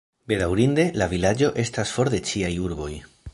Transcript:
Bedaŭrinde, la vilaĝo estas for de ĉiaj urboj.